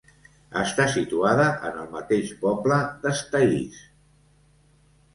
Està situada en el mateix poble d'Estaís.